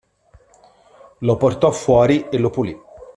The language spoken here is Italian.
Lo portò fuori e lo pulì.